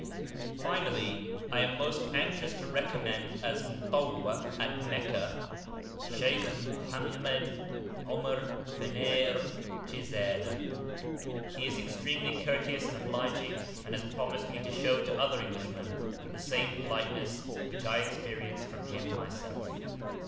[p.414]Finally, I am most anxious to recommend as Mutawwaf at Meccah Shaikh Muhammed Umr Fanair jizadah. He is extremely courteous and obliging, and has promised me to show to other Englishmen the same politeness which I experienced from him myself.